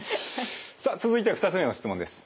さあ続いては２つ目の質問です。